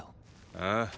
ああ？